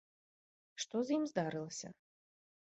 Што з ім здарылася?